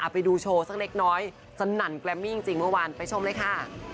ไปดูโชว์สักเล็กน้อยสนั่นแกรมมี่จริงเมื่อวานไปชมเลยค่ะ